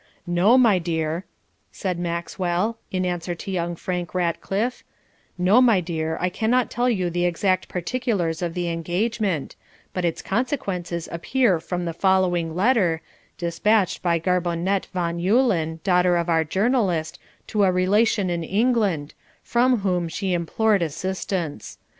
'No, my dear,' said Maxwell, in answer to young Frank Ratcliff 'No, my dear, I cannot tell you the exact particulars of the engagement, but its consequences appear from the following letter, despatched by Garbonete Von Eulen, daughter of our journalist, to a relation in England, from whom she implored assistance.